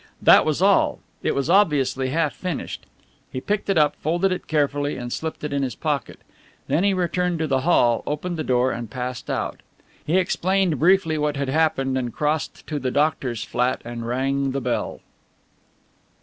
That was all. It was obviously half finished. He picked it up, folded it carefully and slipped it in his pocket. Then he returned to the hall, opened the door and passed out. He explained briefly what had happened and crossed to the doctor's flat, and rang the bell.